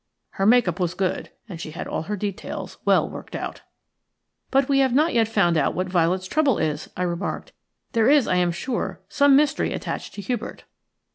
Her make up was good, and she had all her details well worked out." "But we have not yet found out what Violet's trouble is," I remarked. "There is, I am sure, some mystery attached to Hubert."